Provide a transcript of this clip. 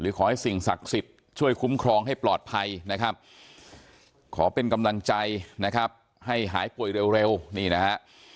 ขอให้สิ่งศักดิ์สิทธิ์ช่วยคุ้มครองให้ปลอดภัยนะครับขอเป็นกำลังใจนะครับให้หายป่วยเร็วนี่นะฮะ